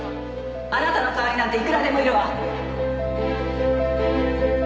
あなたの代わりなんていくらでもいるわ！